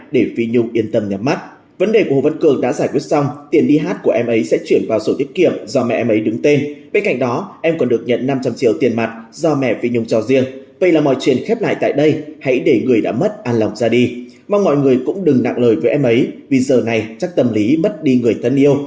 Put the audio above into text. đừng nặng lời với em ấy vì giờ này chắc tâm lý mất đi người thân yêu